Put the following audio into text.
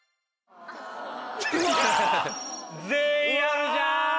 全員「ある」じゃん。